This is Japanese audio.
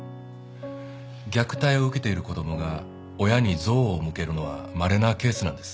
虐待を受けている子供が親に憎悪を向けるのはまれなケースなんです。